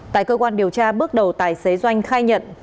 tại cơ quan điều tra bước đầu tài xế doanh khai nhận